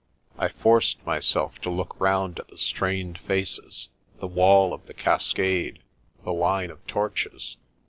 I forced myself to look round at the strained faces, the wall of the cascade, the line of torches.